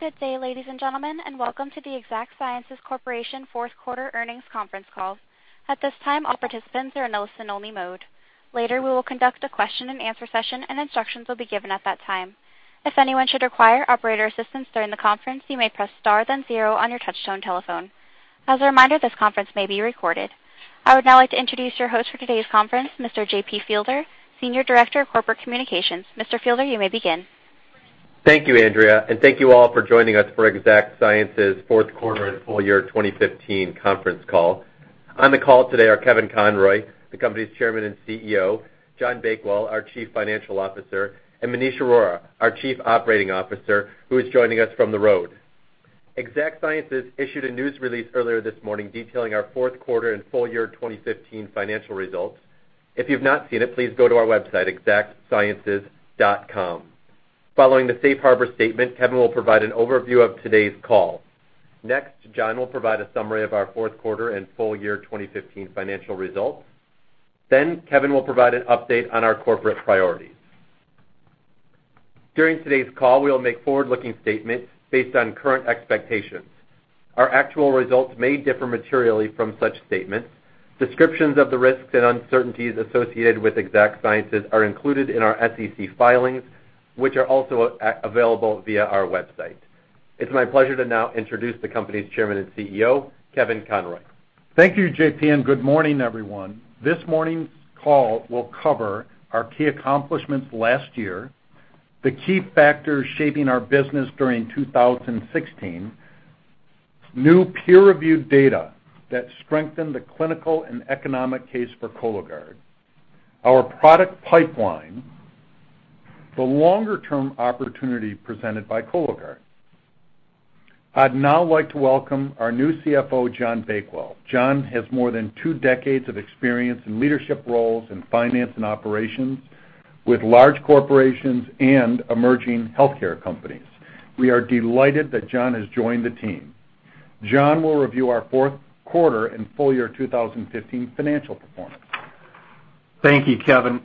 Good day, ladies and gentlemen, and welcome to the Exact Sciences Corporation Fourth Quarter Earnings Conference Call. At this time, all participants are in a listen-only mode. Later, we will conduct a question-and-answer session, and instructions will be given at that time. If anyone should require operator assistance during the conference, you may press star then zero on your touch-tone telephone. As a reminder, this conference may be recorded. I would now like to introduce your host for today's conference, Mr. J. P. Fielder, Senior Director of Corporate Communications. Mr. Fielder, you may begin. Thank you, Andrea, and thank you all for joining us for Exact Sciences Fourth Quarter and full year 2015 conference call. On the call today are Kevin Conroy, the company's Chairman and CEO; John Bakewell, our Chief Financial Officer; and Manish Arora, our Chief Operating Officer, who is joining us from the road. Exact Sciences issued a news release earlier this morning detailing our fourth quarter and full year 2015 financial results. If you've not seen it, please go to our website, exactsciences.com. Following the Safe Harbor Statement, Kevin will provide an overview of today's call. Next, John will provide a summary of our fourth quarter and full year 2015 financial results. Kevin will provide an update on our corporate priorities. During today's call, we will make forward-looking statements based on current expectations. Our actual results may differ materially from such statements. Descriptions of the risks and uncertainties associated with Exact Sciences are included in our SEC filings, which are also available via our website. It's my pleasure to now introduce the company's Chairman and CEO, Kevin Conroy. Thank you, J. P., and good morning, everyone. This morning's call will cover our key accomplishments last year, the key factors shaping our business during 2016, new peer-reviewed data that strengthened the clinical and economic case for Cologuard, our product pipeline, the longer-term opportunity presented by Cologuard. I'd now like to welcome our new CFO, John Bakewell. John has more than two decades of experience in leadership roles in finance and operations with large corporations and emerging healthcare companies. We are delighted that John has joined the team. John will review our fourth quarter and full year 2015 financial performance. Thank you, Kevin.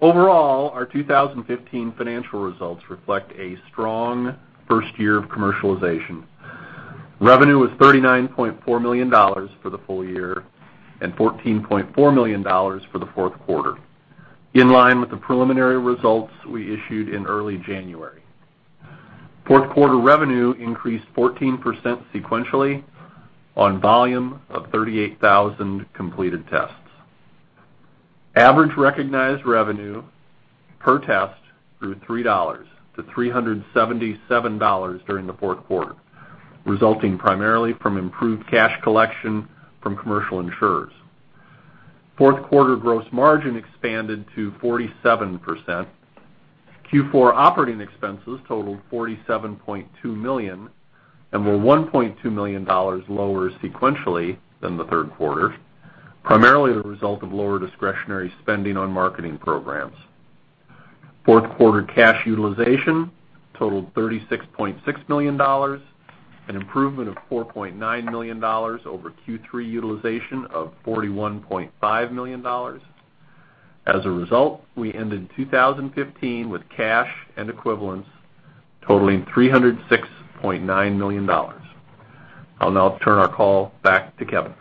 Overall, our 2015 financial results reflect a strong first year of commercialization. Revenue was $39.4 million for the full year and $14.4 million for the fourth quarter, in line with the preliminary results we issued in early January. Fourth quarter revenue increased 14% sequentially on volume of 38,000 completed tests. Average recognized revenue per test grew $3 to $377 during the fourth quarter, resulting primarily from improved cash collection from commercial insurers. Fourth quarter gross margin expanded to 47%. Q4 operating expenses totaled $47.2 million and were $1.2 million lower sequentially than the third quarter, primarily a result of lower discretionary spending on marketing programs. Fourth quarter cash utilization totaled $36.6 million, an improvement of $4.9 million over Q3 utilization of $41.5 million. As a result, we ended 2015 with cash and equivalents totaling $306.9 million. I'll now turn our call back to Kevin.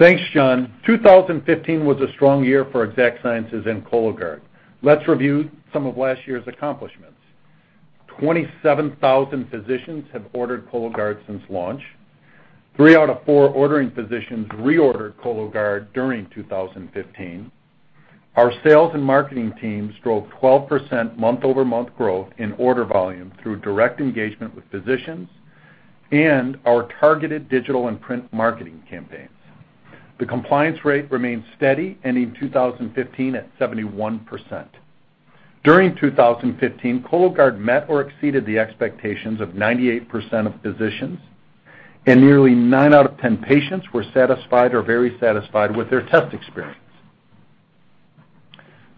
Thanks, John. 2015 was a strong year for Exact Sciences and Cologuard. Let's review some of last year's accomplishments. 27,000 physicians have ordered Cologuard since launch. Three out of four ordering physicians reordered Cologuard during 2015. Our sales and marketing teams drove 12% month-over-month growth in order volume through direct engagement with physicians and our targeted digital and print marketing campaigns. The compliance rate remained steady, ending 2015 at 71%. During 2015, Cologuard met or exceeded the expectations of 98% of physicians, and nearly 9 out of 10 patients were satisfied or very satisfied with their test experience.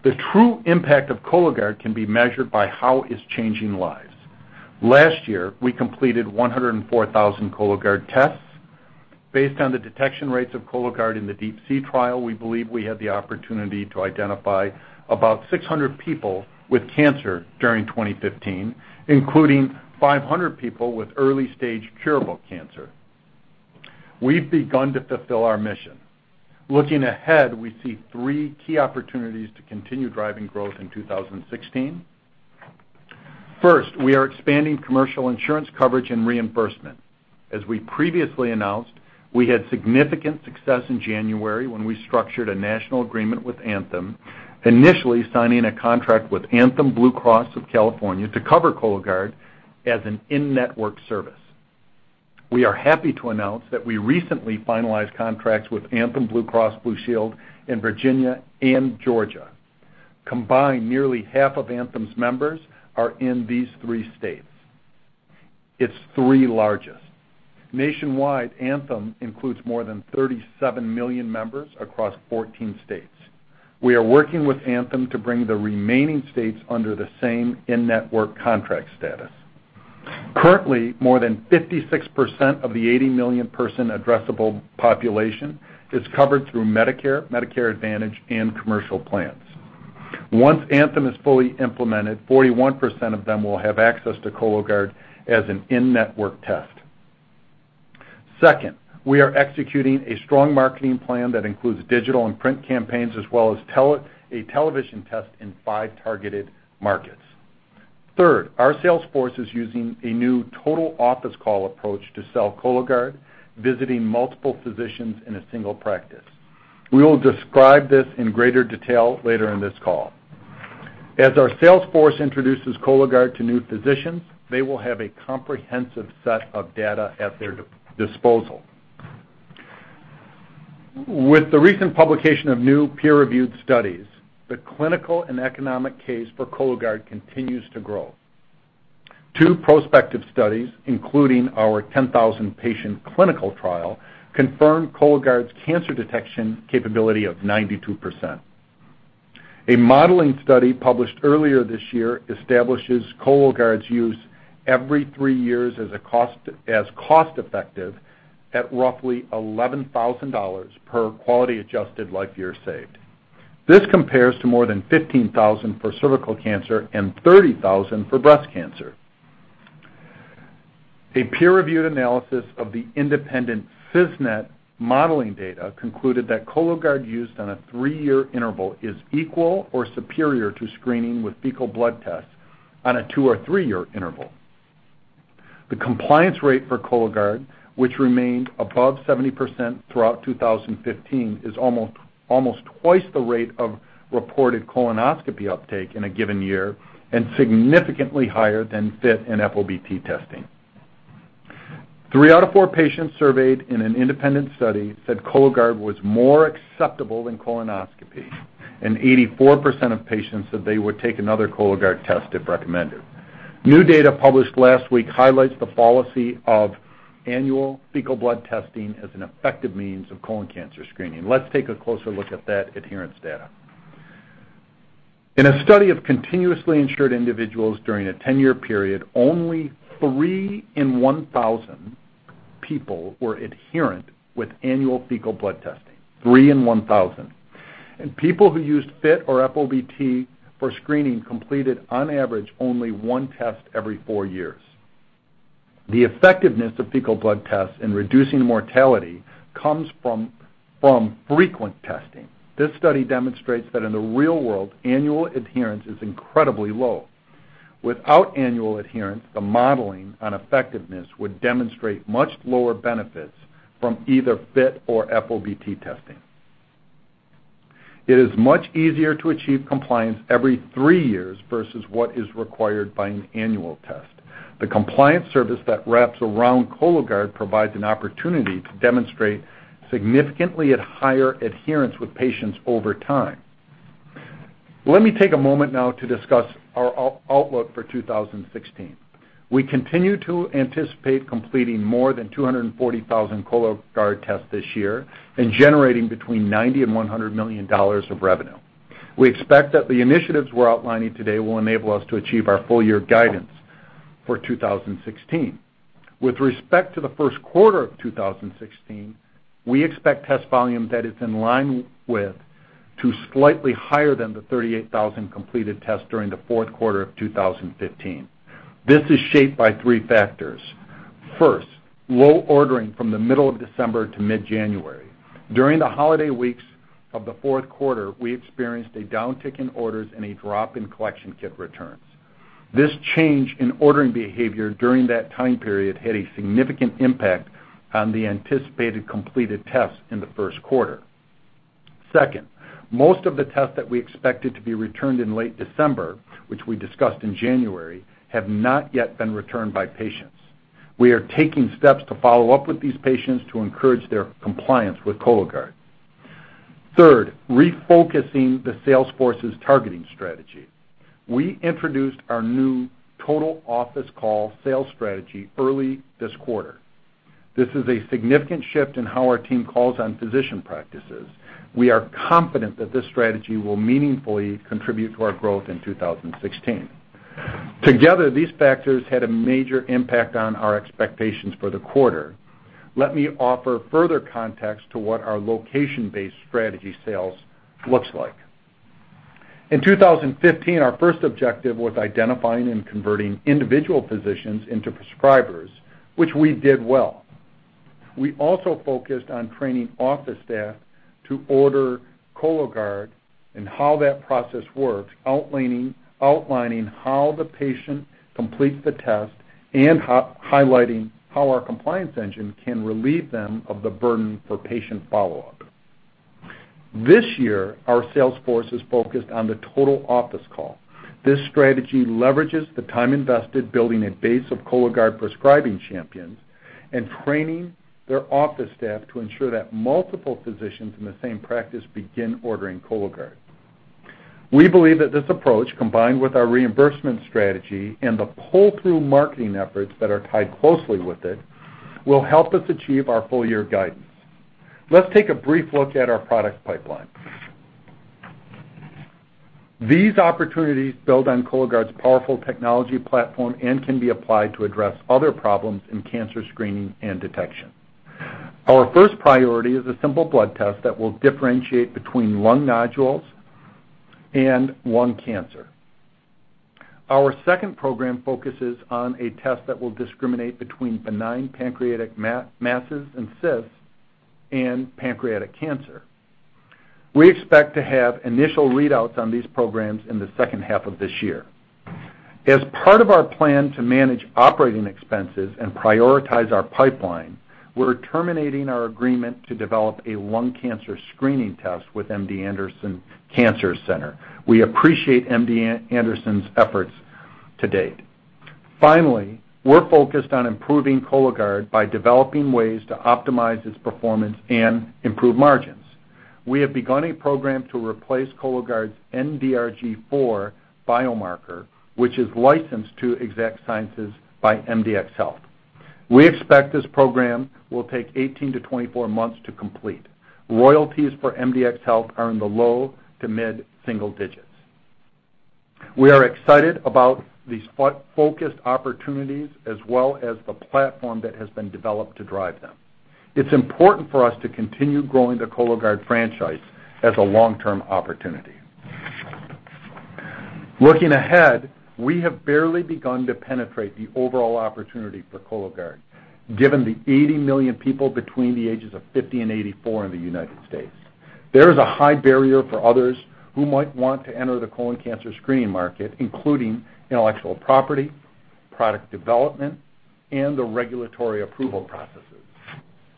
The true impact of Cologuard can be measured by how it's changing lives. Last year, we completed 104,000 Cologuard tests. Based on the detection rates of Cologuard in the DeeP-C trial, we believe we had the opportunity to identify about 600 people with cancer during 2015, including 500 people with early-stage curable cancer. We've begun to fulfill our mission. Looking ahead, we see three key opportunities to continue driving growth in 2016. First, we are expanding commercial insurance coverage and reimbursement. As we previously announced, we had significant success in January when we structured a national agreement with Anthem, initially signing a contract with Anthem Blue Cross of California to cover Cologuard as an in-network service. We are happy to announce that we recently finalized contracts with Anthem Blue Cross Blue Shield in Virginia and Georgia. Combined, nearly half of Anthem's members are in these three states. It's three largest. Nationwide, Anthem includes more than 37 million members across 14 states. We are working with Anthem to bring the remaining states under the same in-network contract status. Currently, more than 56% of the 80 million person addressable population is covered through Medicare, Medicare Advantage, and commercial plans. Once Anthem is fully implemented, 41% of them will have access to Cologuard as an in-network test. Second, we are executing a strong marketing plan that includes digital and print campaigns as well as a television test in five targeted markets. Third, our sales force is using a new total office call approach to sell Cologuard, visiting multiple physicians in a single practice. We will describe this in greater detail later in this call. As our sales force introduces Cologuard to new physicians, they will have a comprehensive set of data at their disposal. With the recent publication of new peer-reviewed studies, the clinical and economic case for Cologuard continues to grow. Two prospective studies, including our 10,000-patient clinical trial, confirmed Cologuard's cancer detection capability of 92%. A modeling study published earlier this year establishes Cologuard's use every three years as cost-effective at roughly $11,000 per quality-adjusted life year saved. This compares to more than $15,000 for cervical cancer and $30,000 for breast cancer. A peer-reviewed analysis of the independent CISNET modeling data concluded that Cologuard used on a three-year interval is equal or superior to screening with fecal blood tests on a two- or three-year interval. The compliance rate for Cologuard, which remained above 70% throughout 2015, is almost twice the rate of reported colonoscopy uptake in a given year and significantly higher than FIT and FOBT testing. Three out of four patients surveyed in an independent study said Cologuard was more acceptable than colonoscopy, and 84% of patients said they would take another Cologuard test if recommended. New data published last week highlights the policy of annual fecal blood testing as an effective means of colon cancer screening. Let's take a closer look at that adherence data. In a study of continuously insured individuals during a 10-year period, only three in 1,000 people were adherent with annual fecal blood testing, three in 1,000. People who used FIT or FOBT for screening completed, on average, only one test every four years. The effectiveness of fecal blood tests in reducing mortality comes from frequent testing. This study demonstrates that in the real world, annual adherence is incredibly low. Without annual adherence, the modeling on effectiveness would demonstrate much lower benefits from either FIT or FOBT testing. It is much easier to achieve compliance every three years versus what is required by an annual test. The compliance service that wraps around Cologuard provides an opportunity to demonstrate significantly higher adherence with patients over time. Let me take a moment now to discuss our outlook for 2016. We continue to anticipate completing more than 240,000 Cologuard tests this year and generating between $90 million and $100 million of revenue. We expect that the initiatives we're outlining today will enable us to achieve our full-year guidance for 2016. With respect to the first quarter of 2016, we expect test volume that is in line with to slightly higher than the 38,000 completed tests during the fourth quarter of 2015. This is shaped by three factors. First, low ordering from the middle of December to mid-January. During the holiday weeks of the fourth quarter, we experienced a downtick in orders and a drop in collection kit returns. This change in ordering behavior during that time period had a significant impact on the anticipated completed tests in the first quarter. Second, most of the tests that we expected to be returned in late December, which we discussed in January, have not yet been returned by patients. We are taking steps to follow up with these patients to encourage their compliance with Cologuard. Third, refocusing the sales force's targeting strategy. We introduced our new total office call sales strategy early this quarter. This is a significant shift in how our team calls on physician practices. We are confident that this strategy will meaningfully contribute to our growth in 2016. Together, these factors had a major impact on our expectations for the quarter. Let me offer further context to what our location-based strategy sales looks like. In 2015, our first objective was identifying and converting individual physicians into prescribers, which we did well. We also focused on training office staff to order Cologuard and how that process works, outlining how the patient completes the test and highlighting how our compliance engine can relieve them of the burden for patient follow-up. This year, our sales force is focused on the total office call. This strategy leverages the time invested building a base of Cologuard prescribing champions and training their office staff to ensure that multiple physicians in the same practice begin ordering Cologuard. We believe that this approach, combined with our reimbursement strategy and the pull-through marketing efforts that are tied closely with it, will help us achieve our full-year guidance. Let's take a brief look at our product pipeline. These opportunities build on Cologuard's powerful technology platform and can be applied to address other problems in cancer screening and detection. Our first priority is a simple blood test that will differentiate between lung nodules and lung cancer. Our second program focuses on a test that will discriminate between benign pancreatic masses and cysts and pancreatic cancer. We expect to have initial readouts on these programs in the second half of this year. As part of our plan to manage operating expenses and prioritize our pipeline, we're terminating our agreement to develop a lung cancer screening test with MD Anderson Cancer Center. We appreciate MD Anderson's efforts to date. Finally, we're focused on improving Cologuard by developing ways to optimize its performance and improve margins. We have begun a program to replace Cologuard's NDRG4 biomarker, which is licensed to Exact Sciences by MDX Health. We expect this program will take 18 to 24 months to complete. Royalties for MDX Health are in the low to mid-single digits. We are excited about these focused opportunities as well as the platform that has been developed to drive them. It's important for us to continue growing the Cologuard franchise as a long-term opportunity. Looking ahead, we have barely begun to penetrate the overall opportunity for Cologuard, given the 80 million people between the ages of 50 and 84 in the U.S. There is a high barrier for others who might want to enter the colon cancer screening market, including intellectual property, product development, and the regulatory approval processes.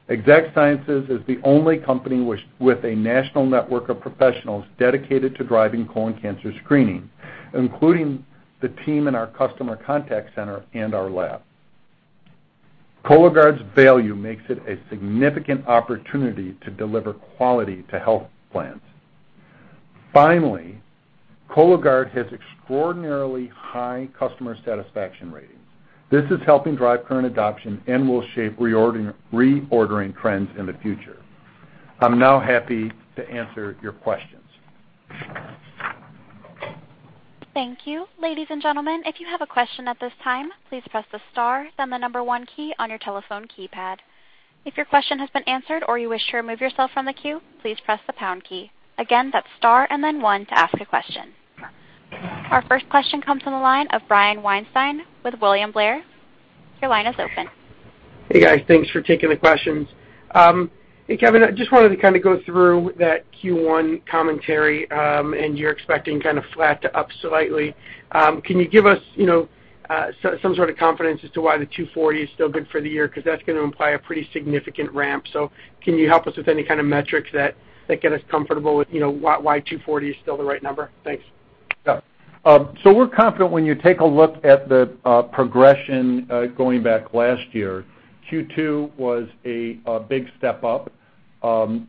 Exact Sciences is the only company with a national network of professionals dedicated to driving colon cancer screening, including the team in our customer contact center and our lab. Cologuard's value makes it a significant opportunity to deliver quality to health plans. Finally, Cologuard has extraordinarily high customer satisfaction ratings. This is helping drive current adoption and will shape reordering trends in the future. I'm now happy to answer your questions. Thank you. Ladies and gentlemen, if you have a question at this time, please press the star, then the number one key on your telephone keypad. If your question has been answered or you wish to remove yourself from the queue, please press the pound key. Again, that's star and then one to ask a question. Our first question comes from the line of Brian Weinstein with William Blair. Your line is open. Hey, guys. Thanks for taking the questions. Hey, Kevin, I just wanted to kind of go through that Q1 commentary, and you're expecting kind of flat to up slightly. Can you give us some sort of confidence as to why the $240 is still good for the year? Because that's going to imply a pretty significant ramp. Can you help us with any kind of metrics that get us comfortable with why $240 is still the right number? Thanks. Yeah. So we're confident when you take a look at the progression going back last year. Q2 was a big step up, and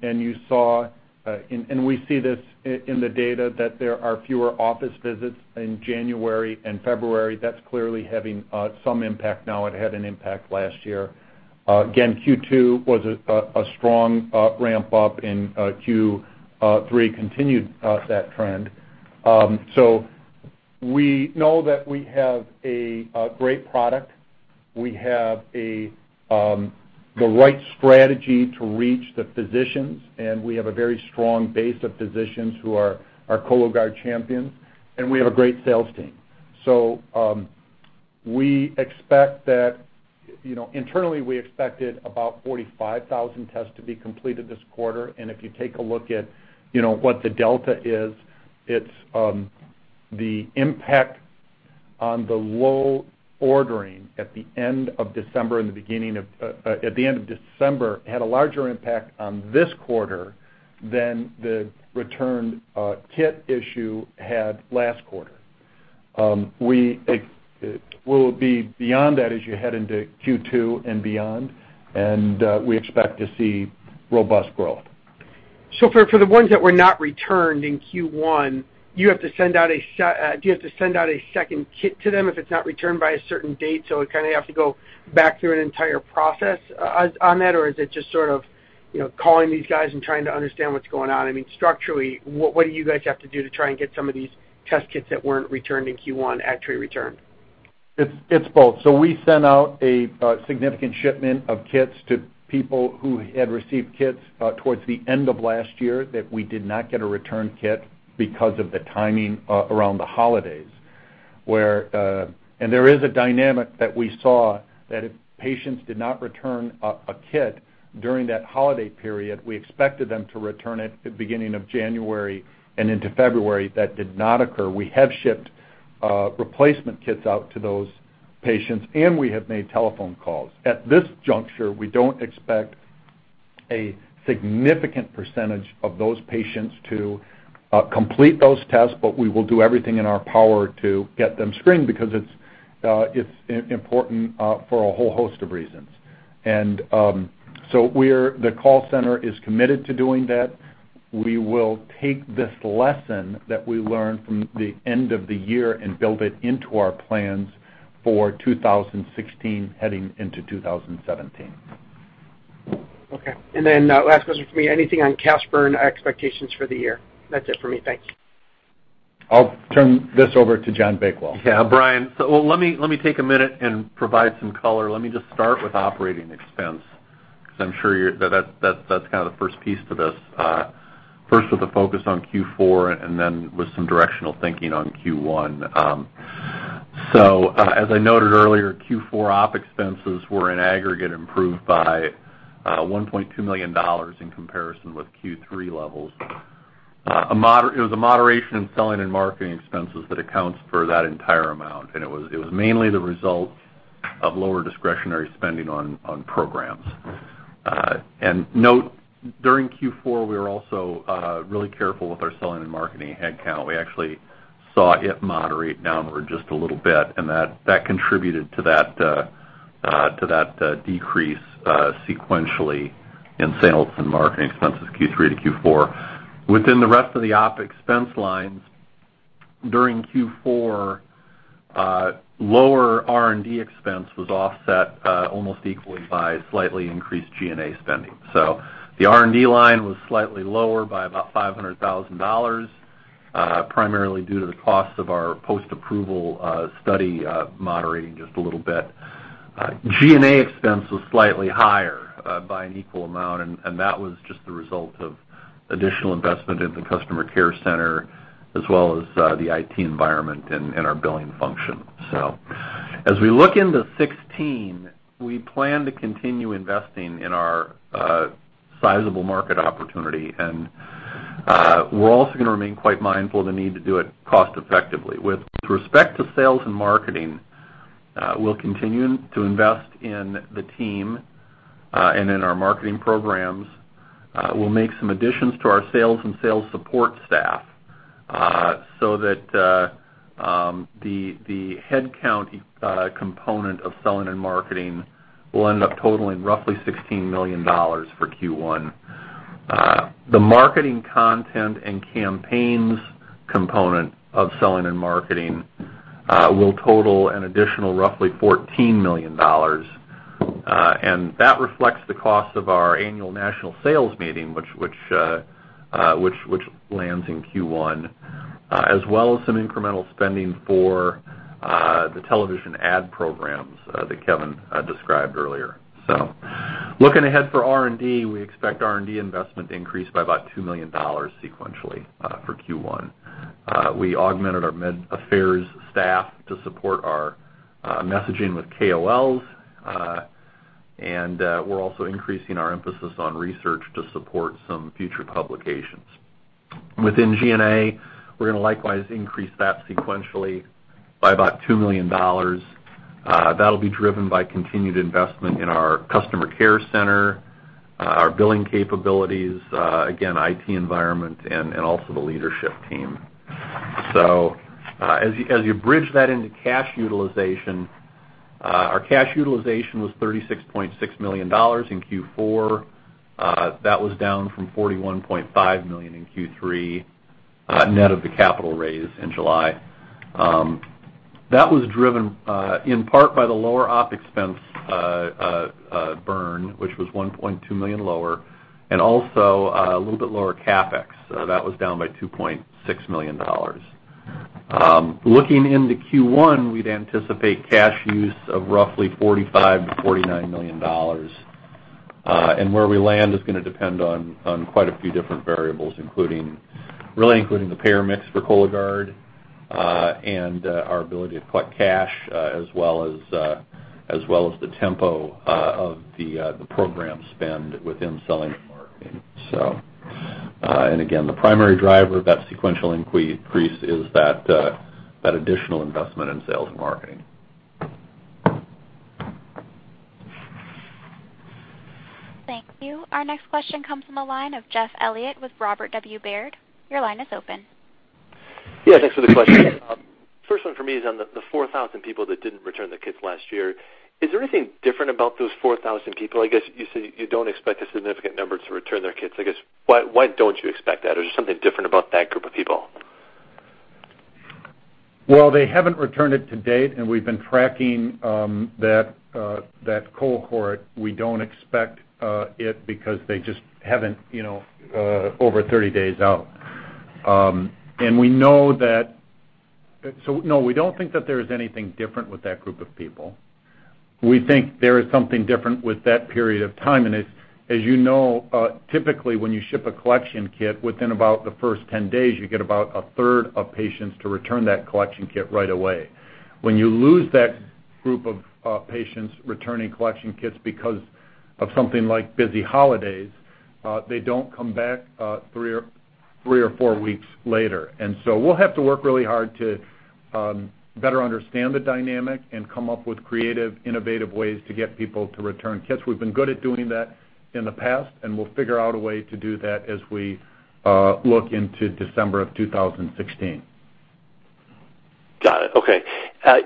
we see this in the data that there are fewer office visits in January and February. That's clearly having some impact now. It had an impact last year. Again, Q2 was a strong ramp up, and Q3 continued that trend. We know that we have a great product. We have the right strategy to reach the physicians, and we have a very strong base of physicians who are our Cologuard champions, and we have a great sales team. Internally, we expected about 45,000 tests to be completed this quarter. If you take a look at what the delta is, the impact on the low ordering at the end of December and the beginning of at the end of December had a larger impact on this quarter than the returned kit issue had last quarter. We will be beyond that as you head into Q2 and beyond, and we expect to see robust growth. For the ones that were not returned in Q1, do you have to send out a second kit to them if it's not returned by a certain date? Does it have to go back through an entire process on that, or is it just sort of calling these guys and trying to understand what's going on? I mean, structurally, what do you guys have to do to try and get some of these test kits that weren't returned in Q1 actually returned? It's both. We sent out a significant shipment of kits to people who had received kits towards the end of last year that we did not get a return kit from because of the timing around the holidays. There is a dynamic that we saw that if patients did not return a kit during that holiday period, we expected them to return it at the beginning of January and into February. That did not occur. We have shipped replacement kits out to those patients, and we have made telephone calls. At this juncture, we do not expect a significant percentage of those patients to complete those tests, but we will do everything in our power to get them screened because it is important for a whole host of reasons. The call center is committed to doing that. We will take this lesson that we learned from the end of the year and build it into our plans for 2016 heading into 2017. Okay. And then last question for me, anything on CapEx and expectations for the year? That's it for me. Thanks. I'll turn this over to John Bakewell. Yeah, Brian. Let me take a minute and provide some color. Let me just start with operating expense because I'm sure that's kind of the first piece to this. First, with a focus on Q4 and then with some directional thinking on Q1. As I noted earlier, Q4 op expenses were in aggregate improved by $1.2 million in comparison with Q3 levels. It was a moderation in selling and marketing expenses that accounts for that entire amount, and it was mainly the result of lower discretionary spending on programs. Note, during Q4, we were also really careful with our selling and marketing headcount. We actually saw it moderate downward just a little bit, and that contributed to that decrease sequentially in sales and marketing expenses Q3 to Q4. Within the rest of the OpEx lines, during Q4, lower R&D expense was offset almost equally by slightly increased G&A spending. The R&D line was slightly lower by about $500,000, primarily due to the cost of our post-approval study moderating just a little bit. G&A expense was slightly higher by an equal amount, and that was just the result of additional investment in the customer care center as well as the IT environment and our billing function. As we look into 2016, we plan to continue investing in our sizable market opportunity, and we're also going to remain quite mindful of the need to do it cost-effectively. With respect to sales and marketing, we'll continue to invest in the team and in our marketing programs. We'll make some additions to our sales and sales support staff so that the headcount component of selling and marketing will end up totaling roughly $16 million for Q1. The marketing content and campaigns component of selling and marketing will total an additional roughly $14 million, and that reflects the cost of our annual national sales meeting, which lands in Q1, as well as some incremental spending for the television ad programs that Kevin described earlier. Looking ahead for R&D, we expect R&D investment to increase by about $2 million sequentially for Q1. We augmented our med affairs staff to support our messaging with KOLs, and we're also increasing our emphasis on research to support some future publications. Within G&A, we're going to likewise increase that sequentially by about $2 million. That'll be driven by continued investment in our customer care center, our billing capabilities, again, IT environment, and also the leadership team. As you bridge that into cash utilization, our cash utilization was $36.6 million in Q4. That was down from $41.5 million in Q3 net of the capital raise in July. That was driven in part by the lower OpEx burn, which was $1.2 million lower, and also a little bit lower CapEx. That was down by $2.6 million. Looking into Q1, we'd anticipate cash use of roughly $45-$49 million. Where we land is going to depend on quite a few different variables, really including the payer mix for Cologuard and our ability to collect cash as well as the tempo of the program spend within selling and marketing. The primary driver of that sequential increase is that additional investment in sales and marketing. Thank you. Our next question comes from the line of Jeff Elliott with Robert W. Baird. Your line is open. Yeah, thanks for the question. First one for me is on the 4,000 people that didn't return their kits last year. Is there anything different about those 4,000 people? I guess you said you don't expect a significant number to return their kits. I guess, why don't you expect that? Is there something different about that group of people? They haven't returned it to date, and we've been tracking that cohort. We don't expect it because they just haven't over 30 days out. We know that, so no, we don't think that there is anything different with that group of people. We think there is something different with that period of time. As you know, typically when you ship a collection kit, within about the first 10 days, you get about a third of patients to return that collection kit right away. When you lose that group of patients returning collection kits because of something like busy holidays, they don't come back three or four weeks later. We will have to work really hard to better understand the dynamic and come up with creative, innovative ways to get people to return kits. We've been good at doing that in the past, and we'll figure out a way to do that as we look into December of 2016. Got it. Okay. I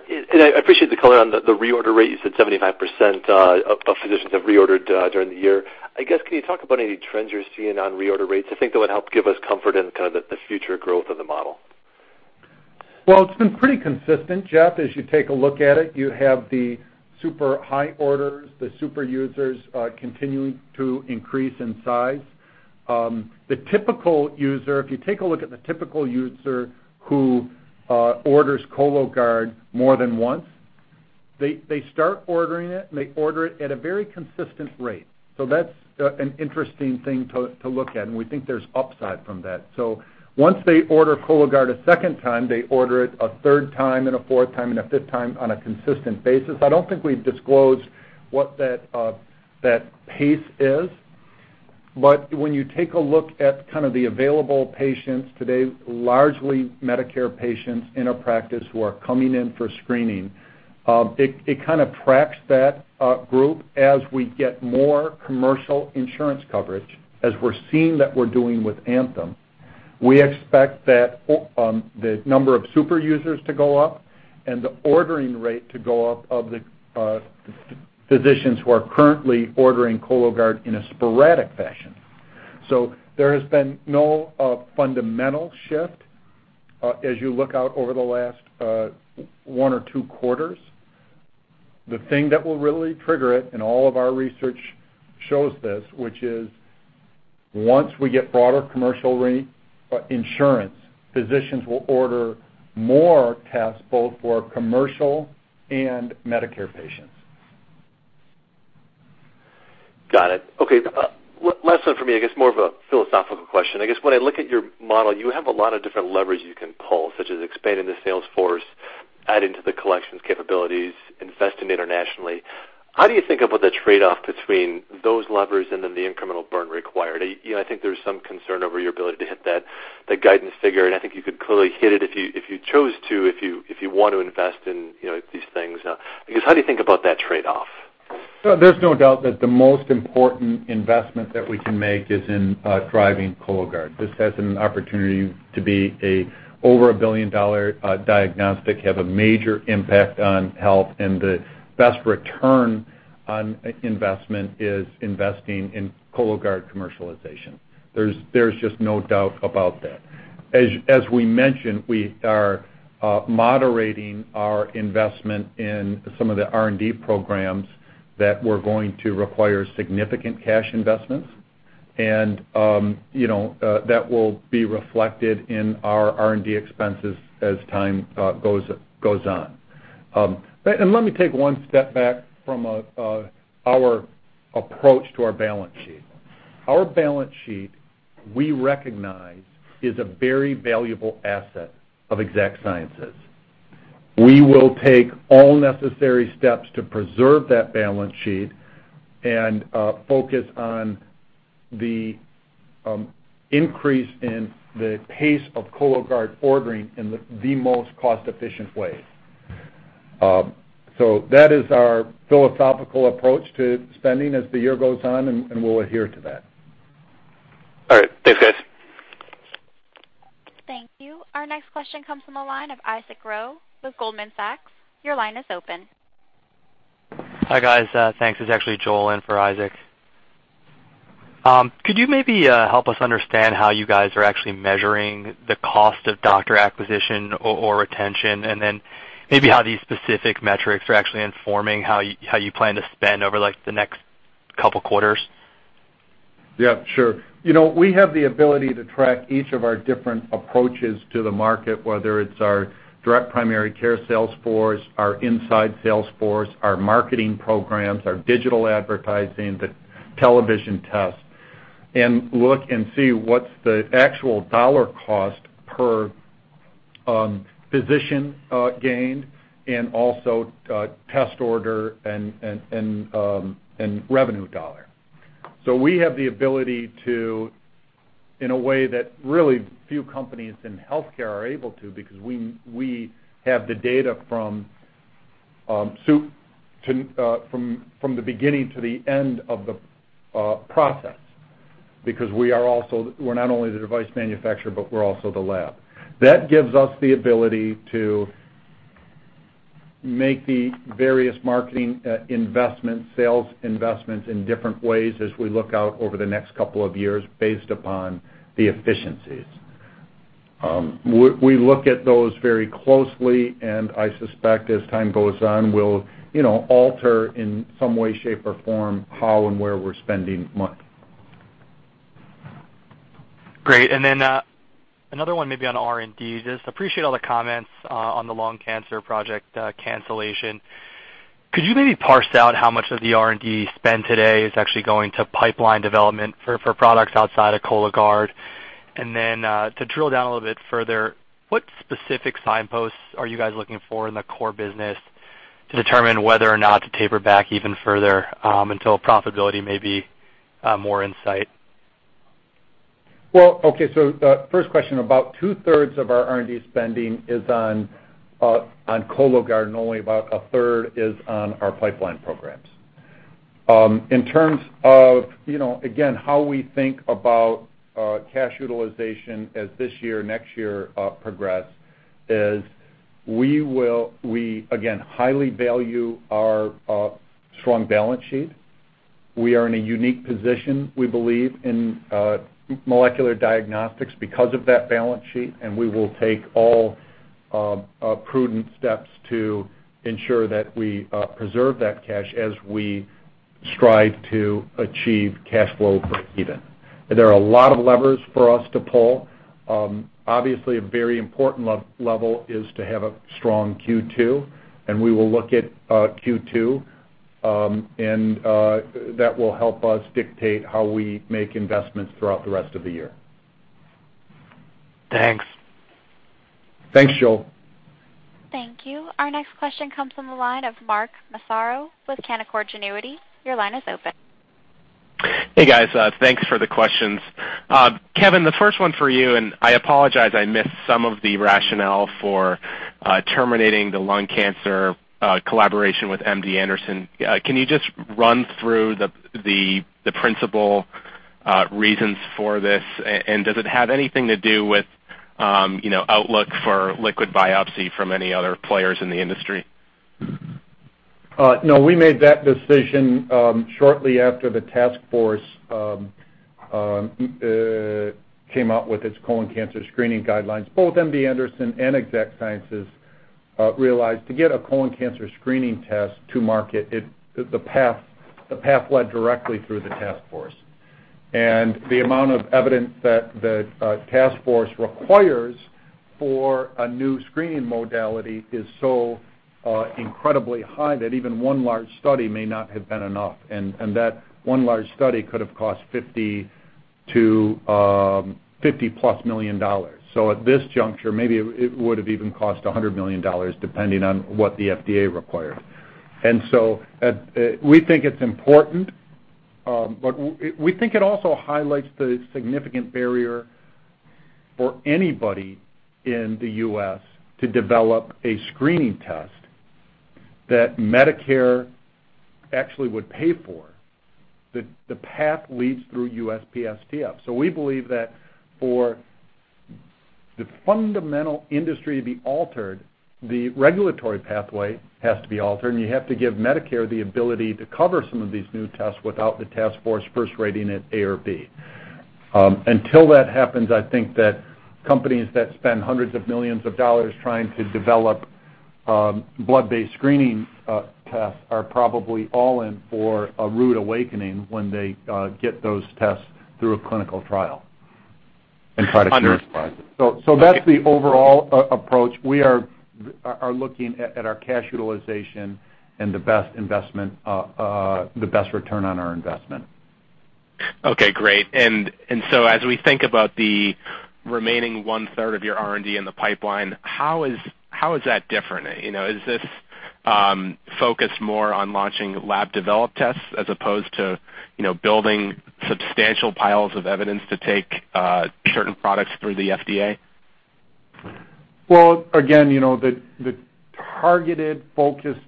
appreciate the color on the reorder rate. You said 75% of physicians have reordered during the year. I guess, can you talk about any trends you're seeing on reorder rates? I think that would help give us comfort in kind of the future growth of the model. It's been pretty consistent, Jeff. As you take a look at it, you have the super high orders, the super users continuing to increase in size. The typical user, if you take a look at the typical user who orders Cologuard more than once, they start ordering it, and they order it at a very consistent rate. That's an interesting thing to look at, and we think there's upside from that. Once they order Cologuard a second time, they order it a third time and a fourth time and a fifth time on a consistent basis. I don't think we've disclosed what that pace is. When you take a look at kind of the available patients today, largely Medicare patients in a practice who are coming in for screening, it kind of tracks that group as we get more commercial insurance coverage, as we're seeing that we're doing with Anthem. We expect that the number of super users to go up and the ordering rate to go up of the physicians who are currently ordering Cologuard in a sporadic fashion. There has been no fundamental shift as you look out over the last one or two quarters. The thing that will really trigger it, and all of our research shows this, which is once we get broader commercial insurance, physicians will order more tests both for commercial and Medicare patients. Got it. Okay. Lesson for me, I guess, more of a philosophical question. I guess when I look at your model, you have a lot of different levers you can pull, such as expanding the sales force, adding to the collections capabilities, investing internationally. How do you think about the trade-off between those levers and then the incremental burn required? I think there's some concern over your ability to hit that guidance figure, and I think you could clearly hit it if you chose to, if you want to invest in these things. I guess, how do you think about that trade-off? There's no doubt that the most important investment that we can make is in driving Cologuard. This has an opportunity to be an over a billion-dollar diagnostic, have a major impact on health, and the best return on investment is investing in Cologuard commercialization. There's just no doubt about that. As we mentioned, we are moderating our investment in some of the R&D programs that are going to require significant cash investments, and that will be reflected in our R&D expenses as time goes on. Let me take one step back from our approach to our balance sheet. Our balance sheet, we recognize, is a very valuable asset of Exact Sciences. We will take all necessary steps to preserve that balance sheet and focus on the increase in the pace of Cologuard ordering in the most cost-efficient way. That is our philosophical approach to spending as the year goes on, and we'll adhere to that. All right. Thanks, guys. Thank you. Our next question comes from the line of Isaac Rowe with Goldman Sachs. Your line is open. Hi, guys. Thanks. This is actually Joel in for Isaac. Could you maybe help us understand how you guys are actually measuring the cost of doctor acquisition or retention, and then maybe how these specific metrics are actually informing how you plan to spend over the next couple of quarters? Yeah, sure. We have the ability to track each of our different approaches to the market, whether it's our direct primary care sales force, our inside sales force, our marketing programs, our digital advertising, the television tests, and look and see what's the actual dollar cost per physician gained and also test order and revenue dollar. We have the ability to, in a way that really few companies in healthcare are able to because we have the data from the beginning to the end of the process because we are also not only the device manufacturer, but we're also the lab. That gives us the ability to make the various marketing investments, sales investments in different ways as we look out over the next couple of years based upon the efficiencies. We look at those very closely, and I suspect as time goes on, we'll alter in some way, shape, or form how and where we're spending money. Great. Another one maybe on R&D. I just appreciate all the comments on the lung cancer project cancellation. Could you maybe parse out how much of the R&D spend today is actually going to pipeline development for products outside of Cologuard? To drill down a little bit further, what specific signposts are you guys looking for in the core business to determine whether or not to taper back even further until profitability may be more in sight? Okay. First question, about two-thirds of our R&D spending is on Cologuard, and only about a third is on our pipeline programs. In terms of, again, how we think about cash utilization as this year, next year progress, is we again highly value our strong balance sheet. We are in a unique position, we believe, in molecular diagnostics because of that balance sheet, and we will take all prudent steps to ensure that we preserve that cash as we strive to achieve cash flow for Eden. There are a lot of levers for us to pull. Obviously, a very important lever is to have a strong Q2, and we will look at Q2, and that will help us dictate how we make investments throughout the rest of the year. Thanks. Thanks, Joel. Thank you. Our next question comes from the line of Mark Massaro with Canaccord Genuity. Your line is open. Hey, guys. Thanks for the questions. Kevin, the first one for you, and I apologize, I missed some of the rationale for terminating the lung cancer collaboration with MD Anderson. Can you just run through the principal reasons for this, and does it have anything to do with outlook for liquid biopsy from any other players in the industry? No, we made that decision shortly after the task force came out with its colon cancer screening guidelines. Both MD Anderson and Exact Sciences realized to get a colon cancer screening test to market, the path led directly through the task force. The amount of evidence that the task force requires for a new screening modality is so incredibly high that even one large study may not have been enough, and that one large study could have cost $50 million-$50-plus million. At this juncture, maybe it would have even cost $100 million depending on what the FDA required. We think it's important, but we think it also highlights the significant barrier for anybody in the U.S. to develop a screening test that Medicare actually would pay for. The path leads through USPSTF. We believe that for the fundamental industry to be altered, the regulatory pathway has to be altered, and you have to give Medicare the ability to cover some of these new tests without the task force first rating it A or B. Until that happens, I think that companies that spend hundreds of millions of dollars trying to develop blood-based screening tests are probably all in for a rude awakening when they get those tests through a clinical trial and try to ship it. That is the overall approach. We are looking at our cash utilization and the best investment, the best return on our investment. Okay. Great. As we think about the remaining one-third of your R&D in the pipeline, how is that different? Is this focused more on launching lab-developed tests as opposed to building substantial piles of evidence to take certain products through the FDA? Again, the targeted focused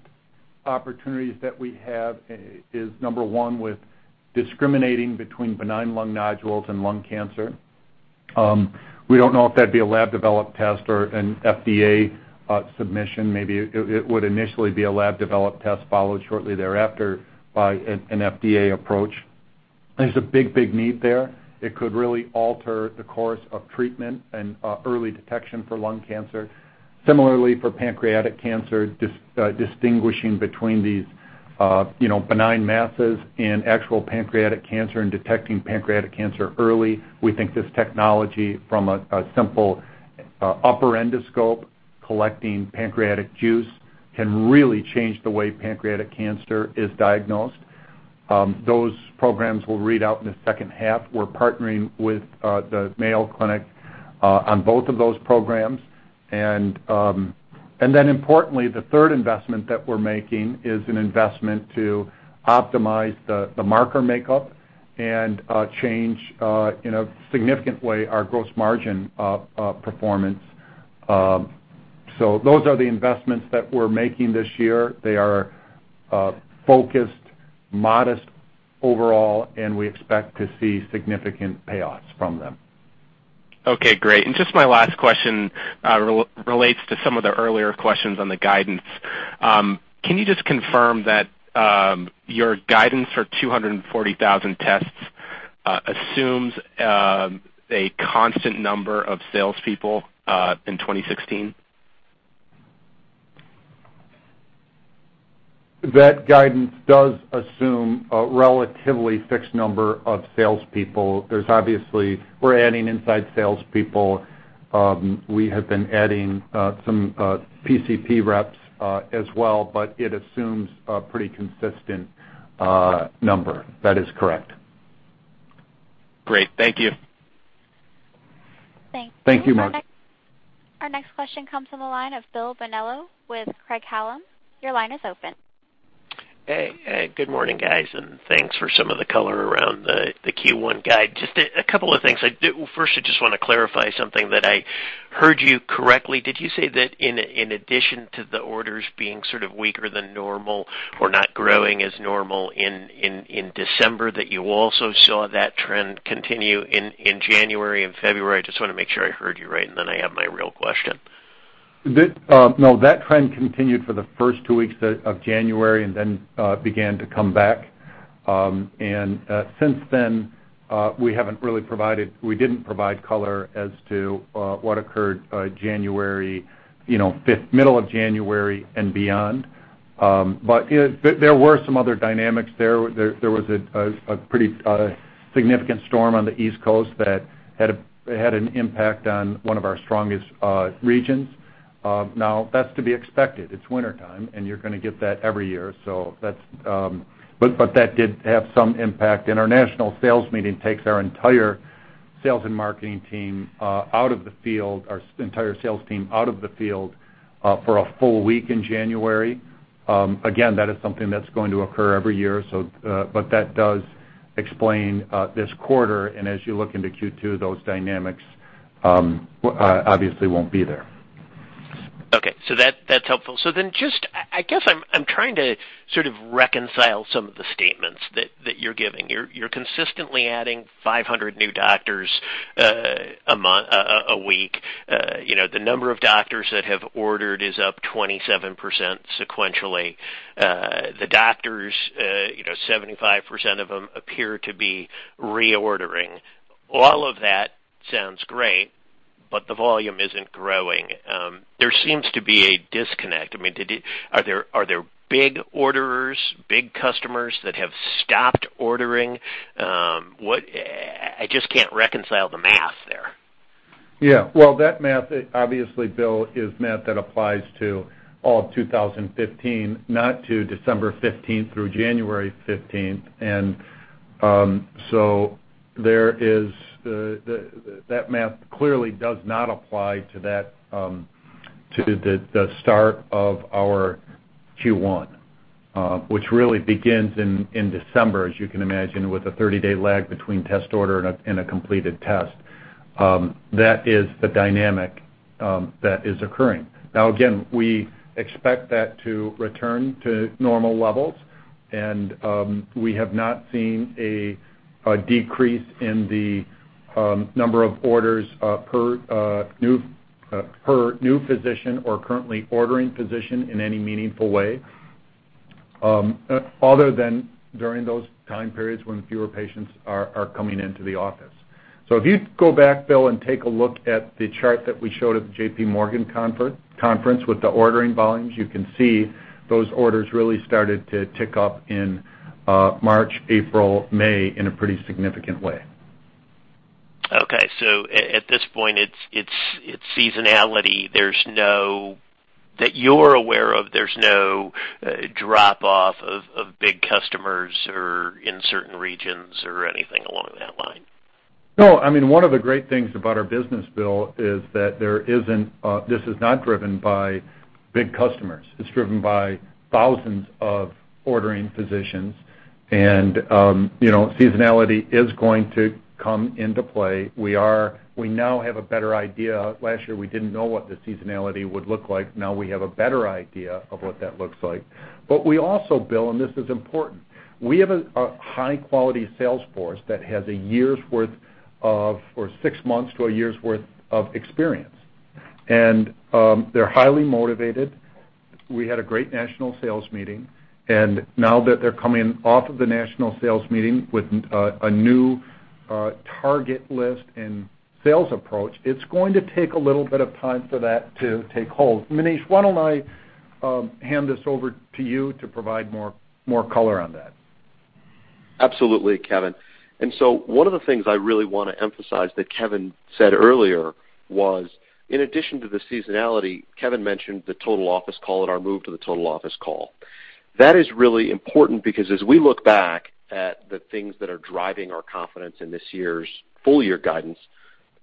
opportunities that we have is number one with discriminating between benign lung nodules and lung cancer. We do not know if that would be a lab-developed test or an FDA submission. Maybe it would initially be a lab-developed test followed shortly thereafter by an FDA approach. There is a big, big need there. It could really alter the course of treatment and early detection for lung cancer. Similarly, for pancreatic cancer, distinguishing between these benign masses and actual pancreatic cancer and detecting pancreatic cancer early. We think this technology from a simple upper endoscope collecting pancreatic juice can really change the way pancreatic cancer is diagnosed. Those programs will read out in the second half. We are partnering with the Mayo Clinic on both of those programs. Importantly, the third investment that we're making is an investment to optimize the marker makeup and change in a significant way our gross margin performance. Those are the investments that we're making this year. They are focused, modest overall, and we expect to see significant payoffs from them. Okay. Great. Just my last question relates to some of the earlier questions on the guidance. Can you just confirm that your guidance for 240,000 tests assumes a constant number of salespeople in 2016? That guidance does assume a relatively fixed number of salespeople. There's obviously we're adding inside salespeople. We have been adding some PCP reps as well, but it assumes a pretty consistent number. That is correct. Great. Thank you. Thank you. Thank you, Mark. Our next question comes from the line of Bill Bonello with Craig-Hallum. Your line is open. Hey. Good morning, guys, and thanks for some of the color around the Q1 guide. Just a couple of things. First, I just want to clarify something that I heard you correctly. Did you say that in addition to the orders being sort of weaker than normal or not growing as normal in December, that you also saw that trend continue in January and February? I just want to make sure I heard you right, and then I have my real question. No, that trend continued for the first two weeks of January and then began to come back. Since then, we have not really provided—we did not provide—color as to what occurred middle of January and beyond. There were some other dynamics there. There was a pretty significant storm on the East Coast that had an impact on one of our strongest regions. That is to be expected. It is wintertime, and you are going to get that every year. That did have some impact. Our national sales meeting takes our entire sales and marketing team out of the field, our entire sales team out of the field for a full week in January. That is something that is going to occur every year, but that does explain this quarter. As you look into Q2, those dynamics obviously will not be there. Okay. That's helpful. I guess I'm trying to sort of reconcile some of the statements that you're giving. You're consistently adding 500 new doctors a week. The number of doctors that have ordered is up 27% sequentially. The doctors, 75% of them appear to be reordering. All of that sounds great, but the volume isn't growing. There seems to be a disconnect. I mean, are there big orders, big customers that have stopped ordering? I just can't reconcile the math there. Yeah. That math, obviously, Bill, is math that applies to all of 2015, not to December 15th through January 15th. That math clearly does not apply to the start of our Q1, which really begins in December, as you can imagine, with a 30-day lag between test order and a completed test. That is the dynamic that is occurring. Now, again, we expect that to return to normal levels, and we have not seen a decrease in the number of orders per new physician or currently ordering physician in any meaningful way, other than during those time periods when fewer patients are coming into the office. If you go back, Bill, and take a look at the chart that we showed at the J.P. Morgan conference with the ordering volumes, you can see those orders really started to tick up in March, April, May in a pretty significant way. Okay. So at this point, it's seasonality. That you're aware of, there's no drop-off of big customers in certain regions or anything along that line? No. I mean, one of the great things about our business, Bill, is that this is not driven by big customers. It's driven by thousands of ordering physicians, and seasonality is going to come into play. We now have a better idea. Last year, we didn't know what the seasonality would look like. Now we have a better idea of what that looks like. We also, Bill, and this is important, we have a high-quality sales force that has a year's worth of or six months to a year's worth of experience. They're highly motivated. We had a great national sales meeting, and now that they're coming off of the national sales meeting with a new target list and sales approach, it's going to take a little bit of time for that to take hold. Maneesh, why don't I hand this over to you to provide more color on that? Absolutely, Kevin. One of the things I really want to emphasize that Kevin said earlier was, in addition to the seasonality, Kevin mentioned the total office call and our move to the total office call. That is really important because as we look back at the things that are driving our confidence in this year's full-year guidance,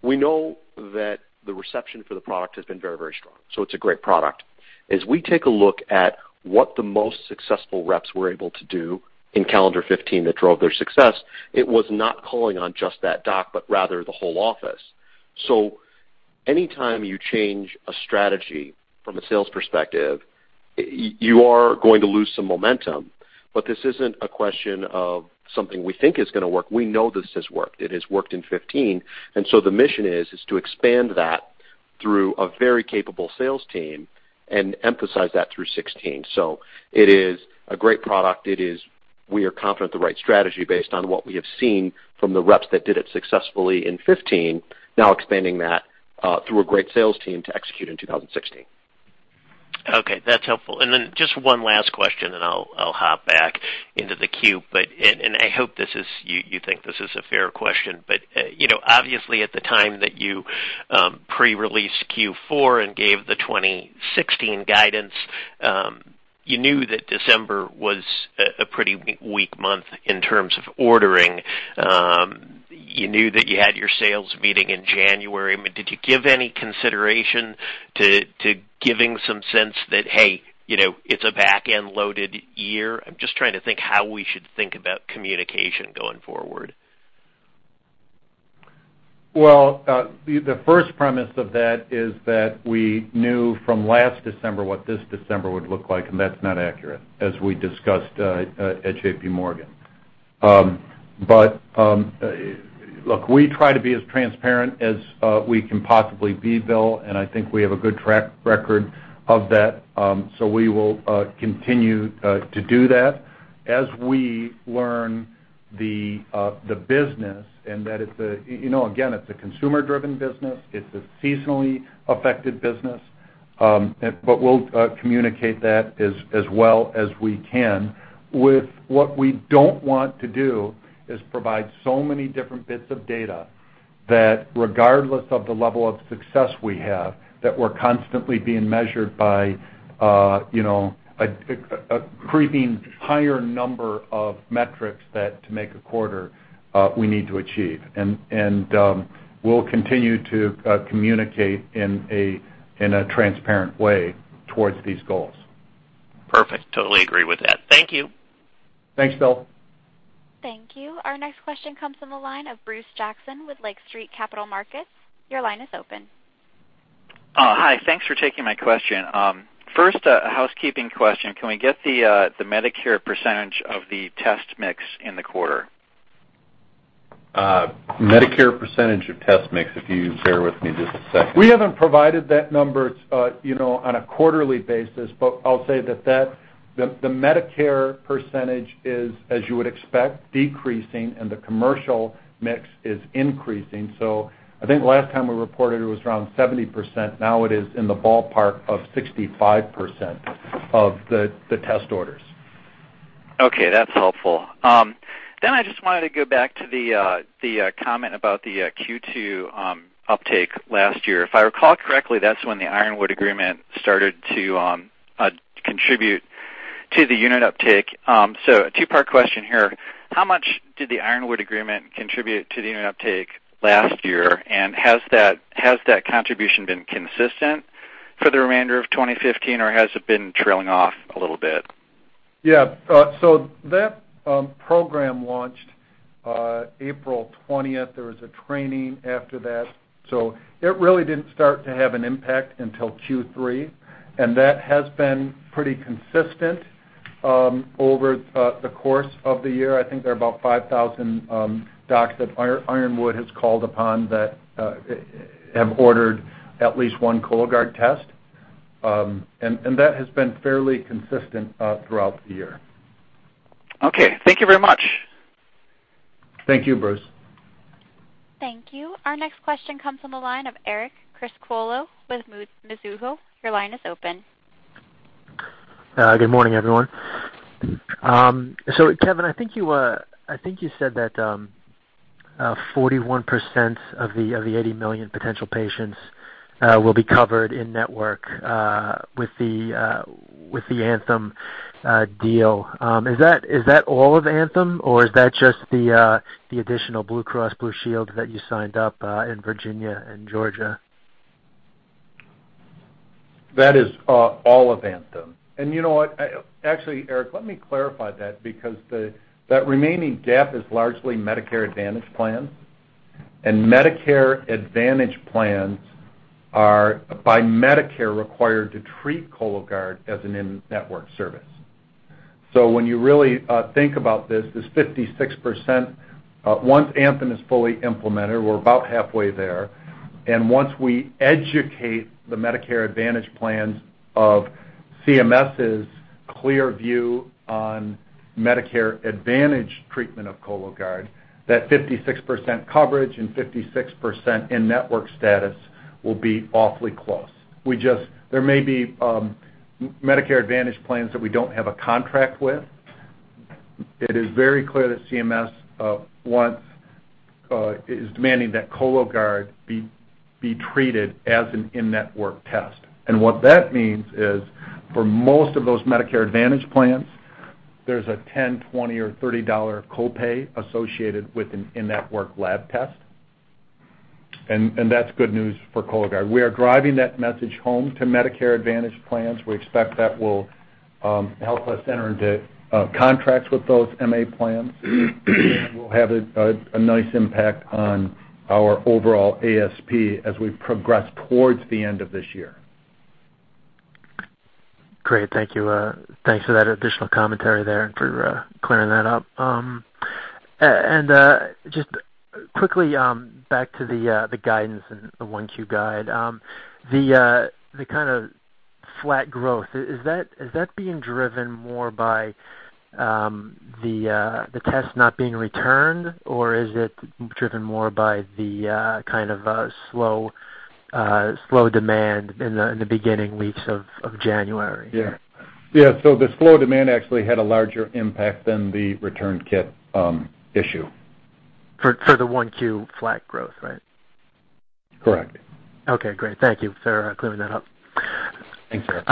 we know that the reception for the product has been very, very strong. It is a great product. As we take a look at what the most successful reps were able to do in calendar 2015 that drove their success, it was not calling on just that doc, but rather the whole office. Anytime you change a strategy from a sales perspective, you are going to lose some momentum, but this is not a question of something we think is going to work. We know this has worked. It has worked in 2015. The mission is to expand that through a very capable sales team and emphasize that through 2016. It is a great product. We are confident the right strategy based on what we have seen from the reps that did it successfully in 2015, now expanding that through a great sales team to execute in 2016. Okay. That's helpful. And then just one last question, and I'll hop back into the queue. I hope you think this is a fair question, but obviously, at the time that you pre-released Q4 and gave the 2016 guidance, you knew that December was a pretty weak month in terms of ordering. You knew that you had your sales meeting in January. I mean, did you give any consideration to giving some sense that, "Hey, it's a back-end loaded year"? I'm just trying to think how we should think about communication going forward. The first premise of that is that we knew from last December what this December would look like, and that's not accurate as we discussed at J.P. Morgan. Look, we try to be as transparent as we can possibly be, Bill, and I think we have a good track record of that. We will continue to do that as we learn the business and that it's a, again, it's a consumer-driven business. It's a seasonally affected business, but we'll communicate that as well as we can. What we don't want to do is provide so many different bits of data that, regardless of the level of success we have, we're constantly being measured by a creeping higher number of metrics that, to make a quarter, we need to achieve. We'll continue to communicate in a transparent way towards these goals. Perfect. Totally agree with that. Thank you. Thanks, Bill. Thank you. Our next question comes from the line of Bruce Jackson with Lake Street Capital Markets. Your line is open. Hi. Thanks for taking my question. First, a housekeeping question. Can we get the Medicare percentage of the test mix in the quarter? Medicare percentage of test mix, if you bear with me just a second. We haven't provided that number on a quarterly basis, but I'll say that the Medicare percentage is, as you would expect, decreasing, and the commercial mix is increasing. I think last time we reported, it was around 70%. Now it is in the ballpark of 65% of the test orders. Okay. That's helpful. I just wanted to go back to the comment about the Q2 uptake last year. If I recall correctly, that's when the Ironwood Agreement started to contribute to the unit uptake. A two-part question here. How much did the Ironwood Agreement contribute to the unit uptake last year? Has that contribution been consistent for the remainder of 2015, or has it been trailing off a little bit? Yeah. That program launched April 20th. There was a training after that. It really did not start to have an impact until Q3, and that has been pretty consistent over the course of the year. I think there are about 5,000 docs that Ironwood has called upon that have ordered at least one Cologuard test. That has been fairly consistent throughout the year. Okay. Thank you very much. Thank you, Bruce. Thank you. Our next question comes from the line of Eric Criscuolo with Mizuho. Your line is open. Good morning, everyone. Kevin, I think you said that 41% of the 80 million potential patients will be covered in network with the Anthem deal. Is that all of Anthem, or is that just the additional Blue Cross Blue Shield that you signed up in Virginia and Georgia? That is all of Anthem. You know what? Actually, Eric, let me clarify that because that remaining gap is largely Medicare Advantage Plans, and Medicare Advantage Plans are, by Medicare, required to treat Cologuard as an in-network service. When you really think about this, this 56%, once Anthem is fully implemented, we're about halfway there. Once we educate the Medicare Advantage Plans of CMS's clear view on Medicare Advantage treatment of Cologuard, that 56% coverage and 56% in-network status will be awfully close. There may be Medicare Advantage Plans that we don't have a contract with. It is very clear that CMS is demanding that Cologuard be treated as an in-network test. What that means is, for most of those Medicare Advantage Plans, there's a $10, $20, or $30 copay associated with an in-network lab test. That's good news for Cologuard. We are driving that message home to Medicare Advantage Plans. We expect that will help us enter into contracts with those MA Plans, and we'll have a nice impact on our overall ASP as we progress towards the end of this year. Great. Thank you. Thanks for that additional commentary there and for clearing that up. Just quickly back to the guidance and the one-queue guide. The kind of flat growth, is that being driven more by the test not being returned, or is it driven more by the kind of slow demand in the beginning weeks of January? Yeah. Yeah. The slow demand actually had a larger impact than the return kit issue. For the one-cue flat growth, right? Correct. Okay. Great. Thank you for clearing that up. Thanks, Eric.